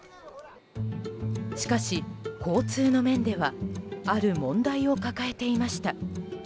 しかし、交通の面ではある問題を抱えていました。